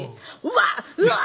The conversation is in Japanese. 「うわ‼」